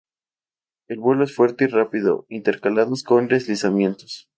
El vuelo es fuerte y rápido, intercalados con deslizamientos.